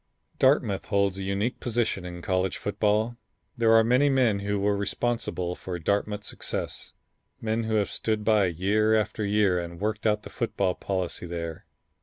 Dartmouth holds a unique position in college football. There are many men who were responsible for Dartmouth's success, men who have stood by year after year and worked out the football policy there.